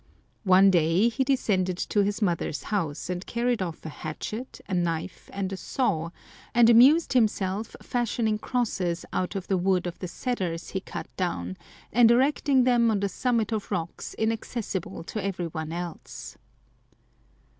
One day he descended to his mother's house and carried off a hatchet, a knife, and a saw, and amused himself fashioning crosses out of the wood of the cedars he cut down, and erecting them on the summit of rocks inaccessible to every one else.